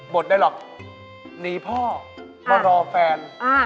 ดได้หรอกหนีพ่อมารอแฟน